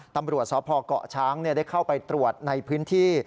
ตำรวจสพเกาะช้างได้เข้าไปตรวจในพื้นที่